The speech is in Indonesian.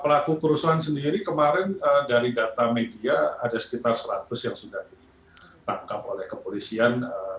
pelaku kerusuhan sendiri kemarin dari data media ada sekitar seratus yang sudah ditangkap oleh kepolisian